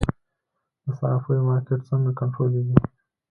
د صرافیو مارکیټ څنګه کنټرولیږي؟